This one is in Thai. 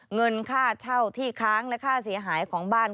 เงินค่าเช่าที่ค้างและค่าเสียหายของบ้าน